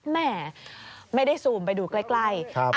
แม่ไม่ได้ซูมไปดูใกล้